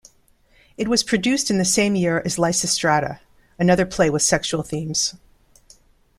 It was produced in the same year as "Lysistrata", another play with sexual themes.